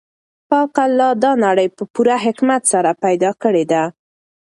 پاک الله دا نړۍ په پوره حکمت سره پیدا کړې ده.